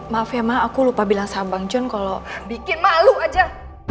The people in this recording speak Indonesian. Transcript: maaf ya mak aku lupa bilang sama bang john kalau bikin malu aja